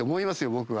僕は。